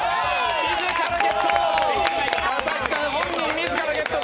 自らゲット！